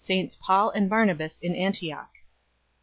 Paul and Barnabas in Antioch.